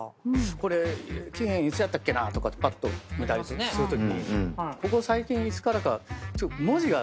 これ期限いつやったっけなとかぱっと見たりするときにここ最近いつからか。